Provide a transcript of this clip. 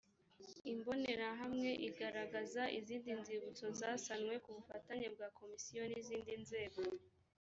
imbonerahamwe igaragaza izindi nzibutso zasanwe ku bufatanye bwa komisiyo n’ izindi nzego